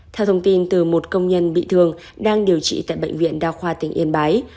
theo thông tin từ một công nhân bị thương đang điều trị tại bệnh viện đa khoa tỉnh yên bái